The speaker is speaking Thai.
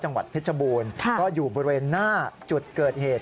จังหวัดเพชรบูรณ์ก็อยู่บริเวณหน้าจุดเกิดเหตุ